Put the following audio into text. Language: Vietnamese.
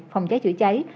phòng cháy chữa cháy